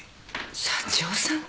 社長さんと？